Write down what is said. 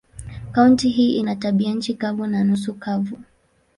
Kaunti hii ina tabianchi kavu na nusu kavu.